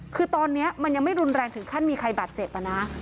คือตอนนี้มันยังไม่รุนแรงถึงขั้นมีใครบาดเจ็บนะ